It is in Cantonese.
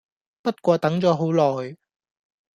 不過等左好耐